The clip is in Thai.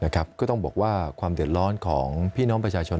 ก็ต้องบอกว่าความเดือดร้อนของพี่น้องประชาชน